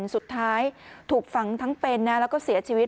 สุดท้ายถูกฝังทั้งเป็นนะแล้วก็เสียชีวิต